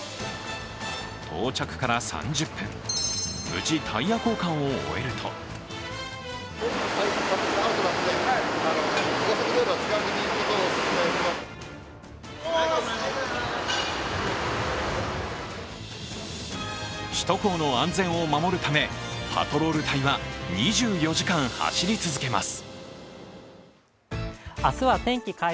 到着から３０分、無事、タイヤ交換を終えると首都高の安全を守るためパトロール隊は２４時間走り続けます。